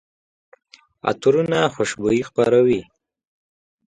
عطرونه خوشبويي خپروي.